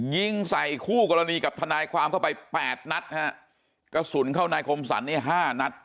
ยิงใส่คู่กรณีกับทนายความเข้าไปแปดนัดฮะกระสุนเข้านายคมสรรเนี่ยห้านัด